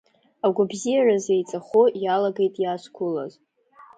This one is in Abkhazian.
Агәабзиараз еиҵахо, иалагеит иаазқәылаз.